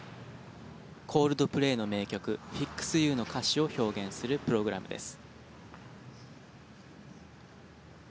コールドプレイの名曲「ＦｉｘＹｏｕ」の歌詞を表現するプログラムです。